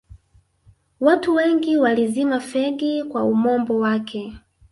watu wengi walizima fegi kwa umombo wake